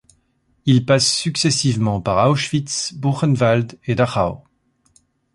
Il passe successivement par Auschwitz, Buchenwald et Dachau.